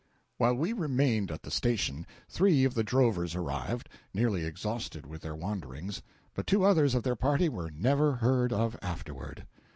While we remained at the station, three of the drovers arrived, nearly exhausted with their wanderings, but two others of their party were never heard of afterward.